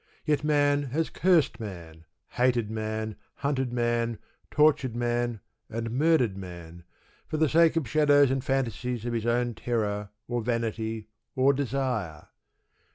Yet man has cursed man, hated man, hunted man, tortured man, and murdered man, for the sake of shadows and fantasies of his own terror, or vanity, or desire.